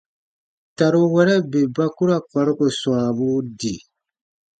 Taruwɛrɛ bè ba ku ra kparuko swãabuu di.